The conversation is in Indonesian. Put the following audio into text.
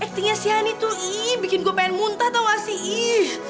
ih aktingnya si hani tuh ih bikin gue pengen muntah tau gak sih ih